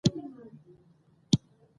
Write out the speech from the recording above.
احمد شاه بابا د افغانانو د عزت ساتونکی و.